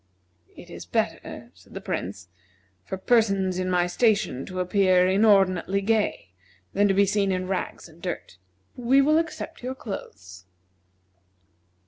"It is better," said the Prince, "for persons in my station to appear inordinately gay than to be seen in rags and dirt. We will accept your clothes."